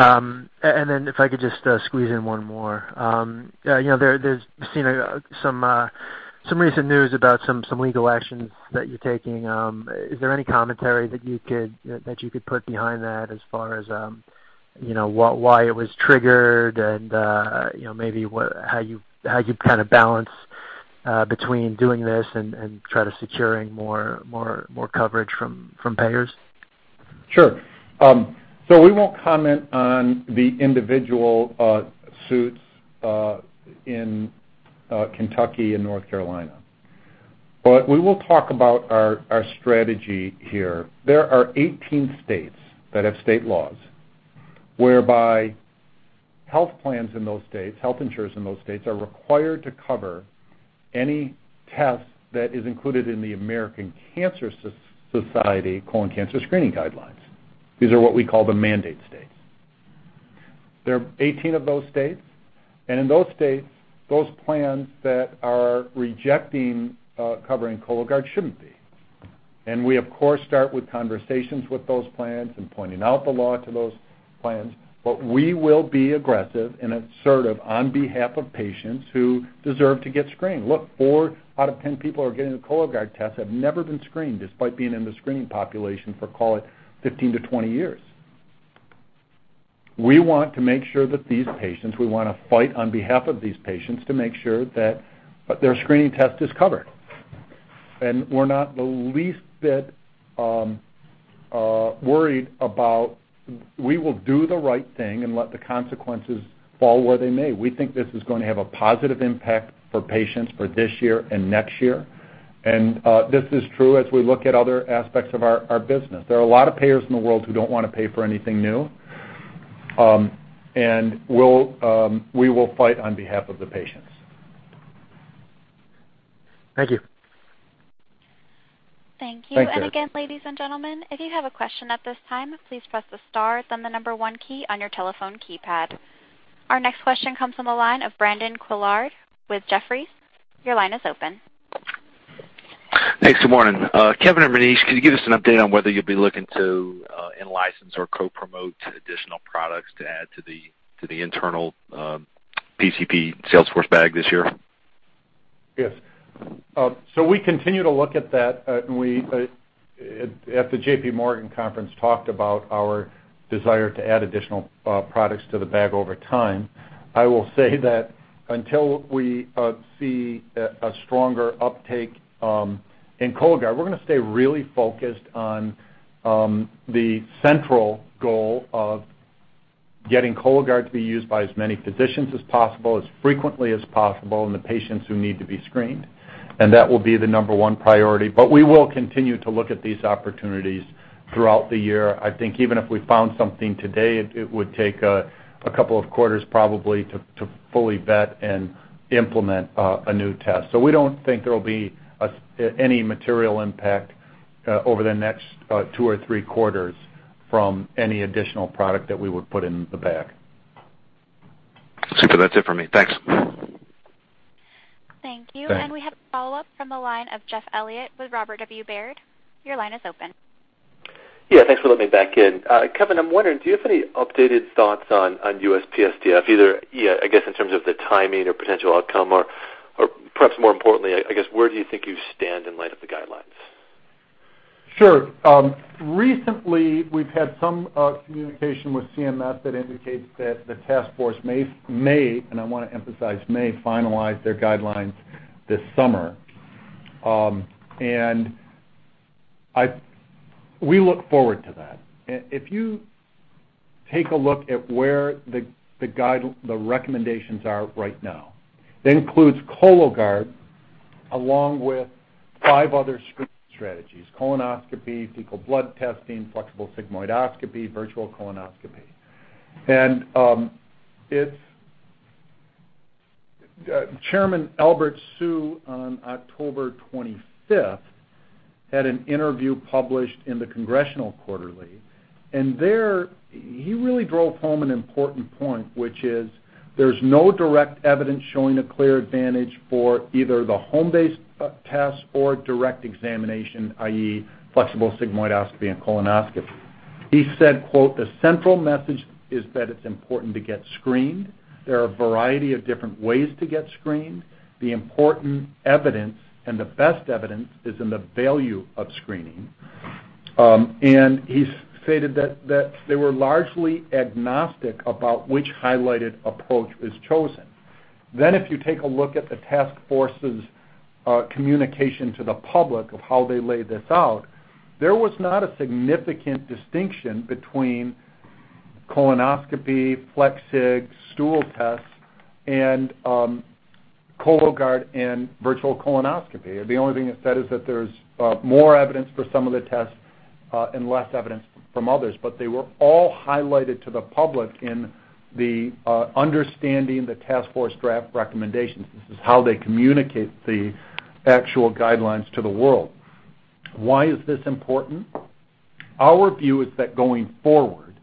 If I could just squeeze in one more. There's been some recent news about some legal actions that you're taking. Is there any commentary that you could put behind that as far as why it was triggered and maybe how you kind of balance between doing this and try to secure more coverage from payers? Sure. We won't comment on the individual suits in Kentucky and North Carolina, but we will talk about our strategy here. There are 18 states that have state laws whereby health plans in those states, health insurers in those states, are required to cover any test that is included in the American Cancer Society colon cancer screening guidelines. These are what we call the mandate states. There are 18 of those states, and in those states, those plans that are rejecting covering Cologuard shouldn't be. We, of course, start with conversations with those plans and pointing out the law to those plans, but we will be aggressive and assertive on behalf of patients who deserve to get screened. Look, 4 out of 10 people who are getting the Cologuard test have never been screened despite being in the screening population for, call it, 15-20 years. We want to make sure that these patients—we want to fight on behalf of these patients to make sure that their screening test is covered. We are not the least bit worried about—we will do the right thing and let the consequences fall where they may. We think this is going to have a positive impact for patients for this year and next year. This is true as we look at other aspects of our business. There are a lot of payers in the world who do not want to pay for anything new, and we will fight on behalf of the patients. Thank you. Thank you. Again, ladies and gentlemen, if you have a question at this time, please press the star, then the number one key on your telephone keypad. Our next question comes from the line of Brandon Couillard with Jefferies. Your line is open. Thanks. Good morning. Kevin and Maneesh, could you give us an update on whether you'll be looking to enlicense or co-promote additional products to add to the internal PCP Salesforce bag this year? Yes. We continue to look at that, and at the J.P. Morgan conference, talked about our desire to add additional products to the bag over time. I will say that until we see a stronger uptake in Cologuard, we're going to stay really focused on the central goal of getting Cologuard to be used by as many physicians as possible, as frequently as possible, and the patients who need to be screened. That will be the number one priority. We will continue to look at these opportunities throughout the year. I think even if we found something today, it would take a couple of quarters probably to fully vet and implement a new test. We do not think there will be any material impact over the next two or three quarters from any additional product that we would put in the bag. Super. That's it for me. Thanks. Thank you. We have a follow-up from the line of Jeff Elliott with Robert W. Baird. Your line is open. Yeah. Thanks for letting me back in. Kevin, I'm wondering, do you have any updated thoughts on USPSTF, either, I guess, in terms of the timing or potential outcome, or perhaps more importantly, I guess, where do you think you stand in light of the guidelines? Sure. Recently, we've had some communication with CMS that indicates that the task force may—and I want to emphasize—may finalize their guidelines this summer. We look forward to that. If you take a look at where the recommendations are right now, that includes Cologuard along with five other screening strategies: colonoscopy, fecal blood testing, flexible sigmoidoscopy, virtual colonoscopy. Chairman Albert Siu on October 25th had an interview published in the Congressional Quarterly, and he really drove home an important point, which is there's no direct evidence showing a clear advantage for either the home-based test or direct examination, i.e., flexible sigmoidoscopy and colonoscopy. He said, "The central message is that it's important to get screened. There are a variety of different ways to get screened. The important evidence and the best evidence is in the value of screening. He stated that they were largely agnostic about which highlighted approach was chosen. If you take a look at the task force's communication to the public of how they laid this out, there was not a significant distinction between colonoscopy, flex sig, stool tests, Cologuard, and virtual colonoscopy. The only thing it said is that there's more evidence for some of the tests and less evidence from others, but they were all highlighted to the public in the understanding the task force draft recommendations. This is how they communicate the actual guidelines to the world. Why is this important? Our view is that going forward,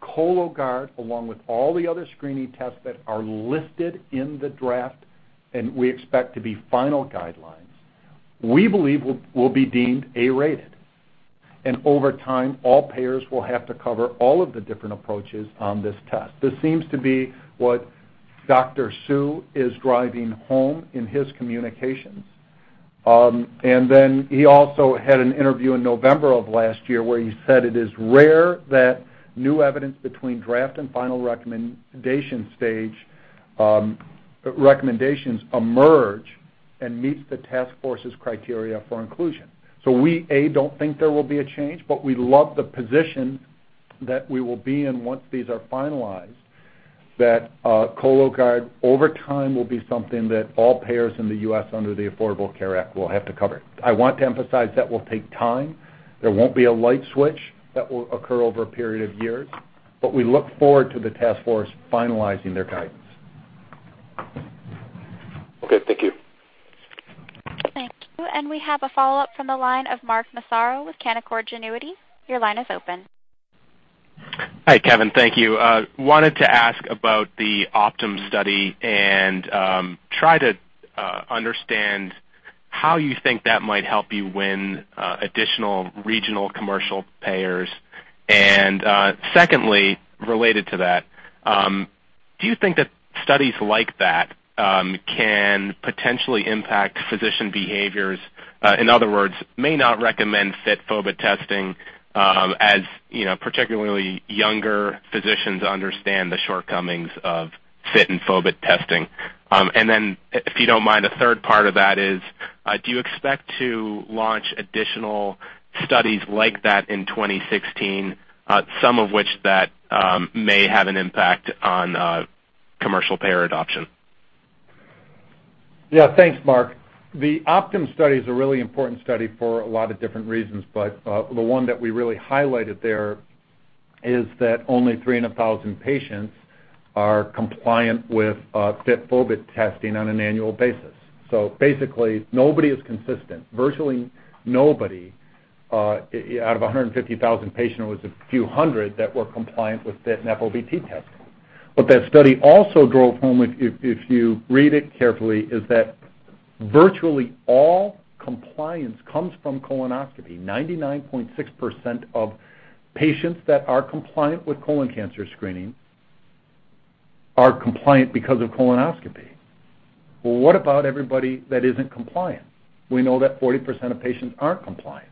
Cologuard, along with all the other screening tests that are listed in the draft and we expect to be final guidelines, we believe will be deemed A-rated. Over time, all payers will have to cover all of the different approaches on this test. This seems to be what Dr. Soo is driving home in his communications. He also had an interview in November of last year where he said, "It is rare that new evidence between draft and final recommendations emerge and meets the task force's criteria for inclusion." We, A, do not think there will be a change, but we love the position that we will be in once these are finalized, that Cologuard, over time, will be something that all payers in the U.S. under the Affordable Care Act will have to cover. I want to emphasize that will take time. There will not be a light switch that will occur over a period of years, but we look forward to the task force finalizing their guidance. Okay. Thank you. Thank you. We have a follow-up from the line of Mark Massaro with Canaccord Genuity. Your line is open. Hi, Kevin. Thank you. Wanted to ask about the Optum study and try to understand how you think that might help you win additional regional commercial payers. Secondly, related to that, do you think that studies like that can potentially impact physician behaviors? In other words, may not recommend FIT/FOBT testing as particularly younger physicians understand the shortcomings of FIT and FOBT testing. If you do not mind, a third part of that is, do you expect to launch additional studies like that in 2016, some of which may have an impact on commercial payer adoption? Yeah. Thanks, Mark. The Optum study is a really important study for a lot of different reasons, but the one that we really highlighted there is that only 300,000 patients are compliant with FIT/FOBT testing on an annual basis. Basically, nobody is consistent. Virtually nobody out of 150,000 patients was a few hundred that were compliant with FIT and FOBT testing. That study also drove home, if you read it carefully, that virtually all compliance comes from colonoscopy. 99.6% of patients that are compliant with colon cancer screening are compliant because of colonoscopy. What about everybody that is not compliant? We know that 40% of patients are not compliant.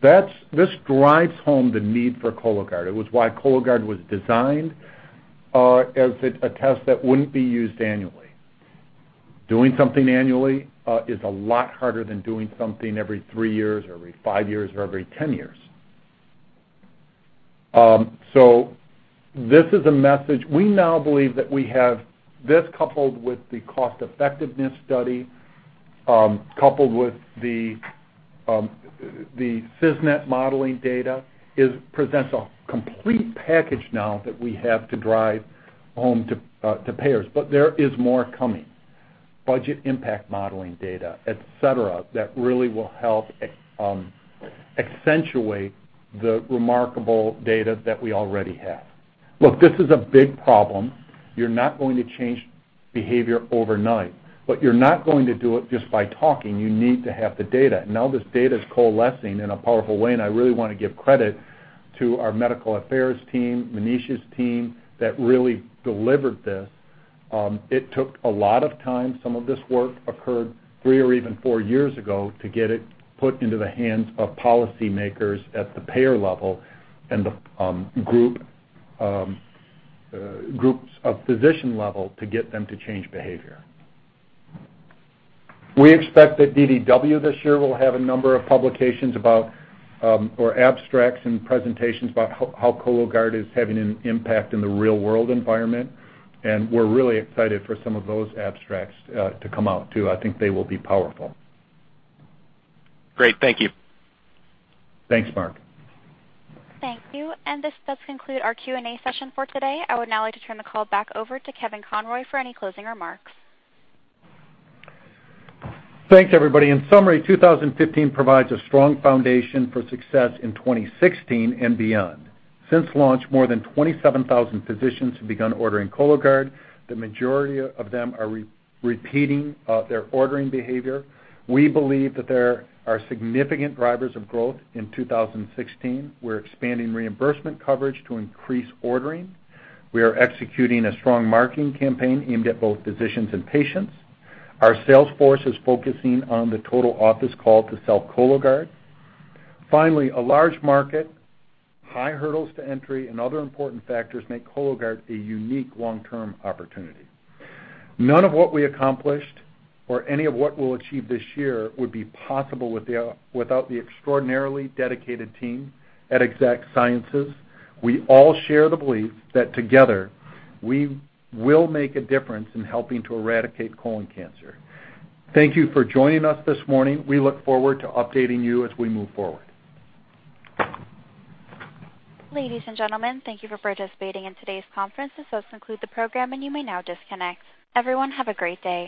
This drives home the need for Cologuard. It was why Cologuard was designed as a test that would not be used annually. Doing something annually is a lot harder than doing something every three years or every five years or every ten years. This is a message we now believe that we have, this coupled with the cost-effectiveness study, coupled with the CISNET modeling data, presents a complete package now that we have to drive home to payers. There is more coming: budget impact modeling data, etc., that really will help accentuate the remarkable data that we already have. Look, this is a big problem. You're not going to change behavior overnight, but you're not going to do it just by talking. You need to have the data. Now this data is coalescing in a powerful way, and I really want to give credit to our medical affairs team, Maneesh's team, that really delivered this. It took a lot of time. Some of this work occurred three or even four years ago to get it put into the hands of policymakers at the payer level and the groups of physician level to get them to change behavior. We expect that DDW this year will have a number of publications or abstracts and presentations about how Cologuard is having an impact in the real-world environment. We are really excited for some of those abstracts to come out too. I think they will be powerful. Great. Thank you. Thanks, Mark. Thank you. This does conclude our Q&A session for today. I would now like to turn the call back over to Kevin Conroy for any closing remarks. Thanks, everybody. In summary, 2015 provides a strong foundation for success in 2016 and beyond. Since launch, more than 27,000 physicians have begun ordering Cologuard. The majority of them are repeating their ordering behavior. We believe that there are significant drivers of growth in 2016. We're expanding reimbursement coverage to increase ordering. We are executing a strong marketing campaign aimed at both physicians and patients. Our sales force is focusing on the total office call to sell Cologuard. Finally, a large market, high hurdles to entry, and other important factors make Cologuard a unique long-term opportunity. None of what we accomplished or any of what we'll achieve this year would be possible without the extraordinarily dedicated team at Exact Sciences. We all share the belief that together we will make a difference in helping to eradicate colon cancer. Thank you for joining us this morning. We look forward to updating you as we move forward. Ladies and gentlemen, thank you for participating in today's conference. This does conclude the program, and you may now disconnect. Everyone, have a great day.